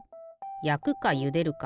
やくかゆでるか？